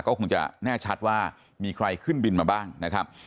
ก็คงจะแน่ชัดว่ามีใครขึ้นบินมาบ้างนะครับ